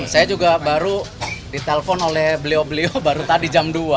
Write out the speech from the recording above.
saya juga baru ditelepon oleh beliau beliau baru tadi jam dua